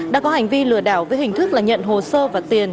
đã có hành vi lừa đảo với hình thức là nhận hồ sơ và tiền